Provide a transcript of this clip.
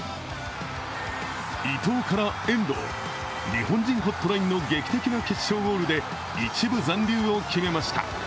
伊藤から遠藤、日本人ホットラインの劇的な決勝ゴールで１部残留を決めました。